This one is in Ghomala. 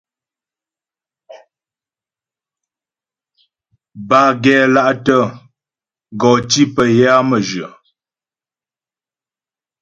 Bâ gɛ́la'tə gɔ tí pə yə á mə́jyə.